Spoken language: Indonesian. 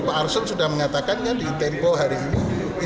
pak arsul sudah mengatakan kan di tempo hari ini